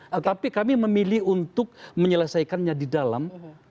tetapi kami memilih untuk menyelesaikannya di dalam